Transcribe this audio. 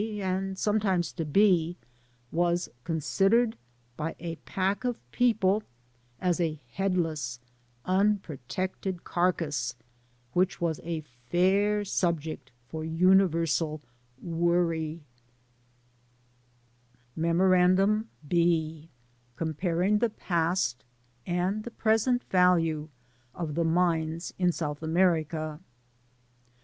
and sometimes to B., was consi dered by a pack of people as a headless, unpro tected carcass, which , was a fair subject for uni versal " worry." , Digitized byGoogk MINING IN SOUTH AMERICA. 289 Memorandum (B). Comparing the past and the 'present Value of the Mines in South America.